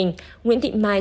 nguyễn thị mai